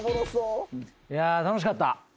「いや楽しかった」